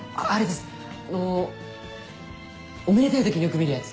おめでたい時によく見るやつ。